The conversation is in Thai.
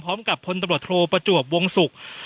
พร้อมกับพลตำรวจโทประจวบวงศุกร์